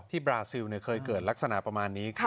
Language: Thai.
บราซิลเคยเกิดลักษณะประมาณนี้